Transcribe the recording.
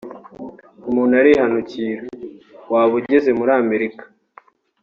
umuntu arihanukira waba ugeze muri Amerika